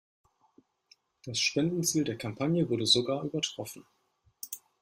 Das Spendenziel der Kampagne wurde sogar übertroffen.